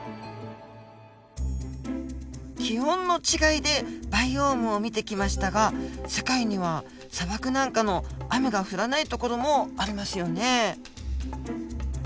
気温の違いでバイオームを見てきましたが世界には砂漠なんかの雨が降らない所もありますよね。